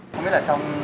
không biết là trong